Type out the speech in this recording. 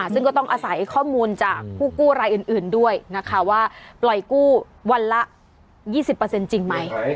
ซึ่งก็ต้องอาศัยข้อมูลจากผู้กู้รายอื่นด้วยนะคะว่าปล่อยกู้วันละ๒๐จริงไหม